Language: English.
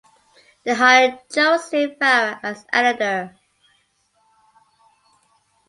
They hired Joseph Farah as editor.